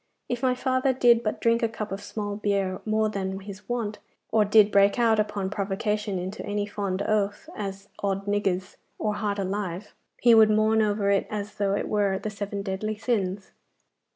If my father did but drink a cup of small beer more than his wont, or did break out upon provocation into any fond oath, as "Od's niggers!" or "Heart alive!" he would mourn over it as though it were the seven deadly sins.